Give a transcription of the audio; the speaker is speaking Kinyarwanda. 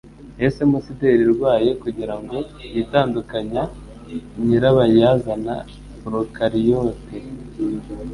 Yahisemo cider irwaye kugirango yitandukanya nyirabayazana prokaryote